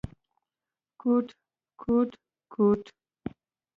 _کوټ، کوټ ، کوټ…